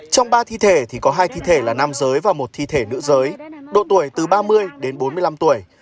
trong ba thi thể thì có hai thi thể là nam giới và một thi thể nữ giới độ tuổi từ ba mươi đến bốn mươi năm tuổi